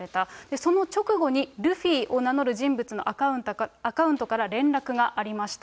その直後にルフィを名乗る人物のアカウントから連絡がありました。